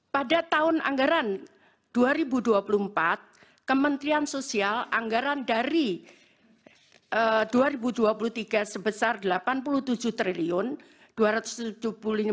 pada tahun anggaran dua ribu dua puluh empat kementerian sosial anggaran dari dua ribu dua puluh tiga sebesar rp delapan puluh tujuh triliun